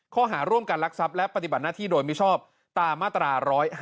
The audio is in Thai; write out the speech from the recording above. ข้อหาร่วมกันลักทรัพย์และปฏิบัติหน้าที่โดยมิชอบตามมาตรา๑๕